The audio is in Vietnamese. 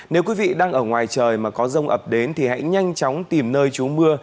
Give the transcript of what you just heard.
nếu quý vị đang ở ngoài trời mà có rông ập đến thì hãy nhanh chóng tìm nơi trú mưa